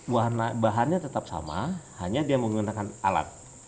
jadi bahannya tetap sama hanya dia menggunakan alat